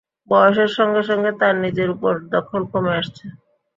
বয়সের সঙ্গে সঙ্গে তার নিজের উপর দখল কমে আসছে।